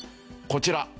こちら。